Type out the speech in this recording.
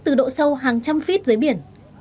từ độ sâu hàng trăm phít dưới biển